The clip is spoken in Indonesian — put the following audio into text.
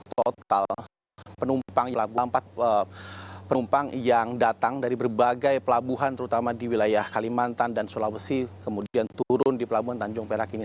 total empat penumpang yang datang dari berbagai pelabuhan terutama di wilayah kalimantan dan sulawesi kemudian turun di pelabuhan tanjung perak ini